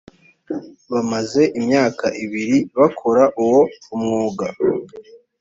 bamaze imyaka ibiri bakora uwo umwuga